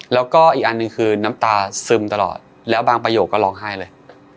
แล้วก็อีกอันหนึ่งคือน้ำตาซึมตลอดแล้วบางประโยคก็ร้องไห้เลย